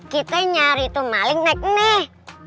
kita nyari tuh maling naik nih